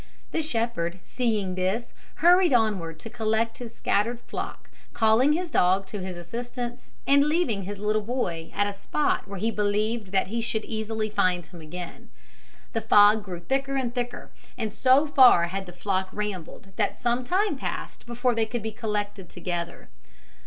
The shepherd, seeing this, hurried onward to collect his scattered flock, calling his dog to his assistance, and leaving his little boy at a spot where he believed that he should easily find him again. The fog grew thicker and thicker; and so far had the flock rambled, that some time passed before they could be collected together.